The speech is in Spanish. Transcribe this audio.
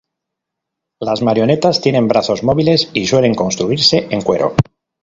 Las marionetas tienen brazos móviles, y suelen construirse en cuero.